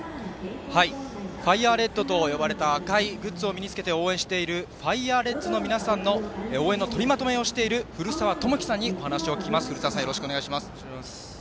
ファイヤーレッドと呼ばれた赤いグッズを身につけて応援しているファイヤーレッズの皆さんの応援の取りまとめふるさわさんに聞きます。